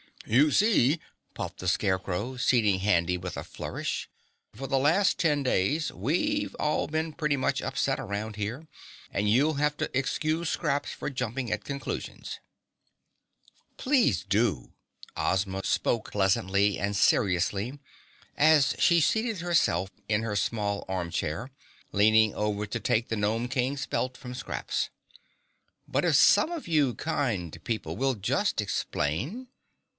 "You see," puffed the Scarecrow, seating Handy with a flourish, "for the last ten days we've all been pretty much upset around here and you'll have to excuse Scraps for jumping at conclusions." "Please do!" Ozma spoke pleasantly and seriously as she seated herself in her small arm chair, leaning over to take the Gnome King's belt from Scraps. "But if some of you kind people will just explain?"